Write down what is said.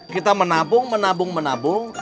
kita menabung menabung menabung